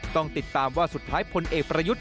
ต้องติดตามว่าสุดท้ายพลเอกประยุทธ์